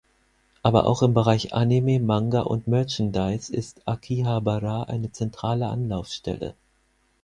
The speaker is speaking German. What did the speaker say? Aber auch im Bereich Anime, Manga und Merchandise ist Akihabara eine zentrale Anlaufstelle.